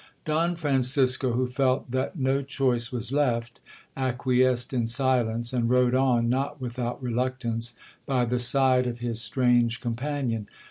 'Don Francisco, who felt that no choice was left, acquiesced in silence, and rode on, not without reluctance, by the side of his strange companion.